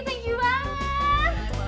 thank you banget